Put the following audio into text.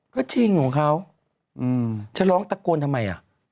ก็จริงของเขาจะร้องตะโกนทำไมอ่ะ